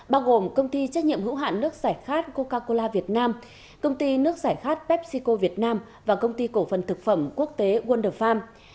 bao gồm công ty trách nhiệm hữu hạn nước giải khát coca cola việt nam công ty nước giải khát pepsico việt nam và công ty cổ phần thực phẩm quốc tế wonder farm